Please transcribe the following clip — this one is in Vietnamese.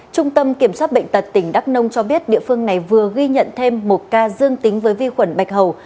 trung tâm kiểm soát bệnh tật tỉnh đắk nông cho biết địa phương này vừa ghi nhận thêm một ca dương tính với vi khuẩn bạch hầu